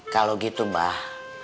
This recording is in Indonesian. kalau gitu mbak